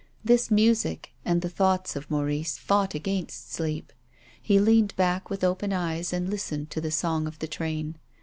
This music, and the thoughts of Maurice fought against sleep. He leaned back with open eyes and lis tened to the song of the train.